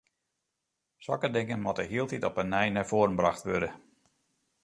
Sokke dingen moatte hieltyd op 'e nij nei foaren brocht wurde.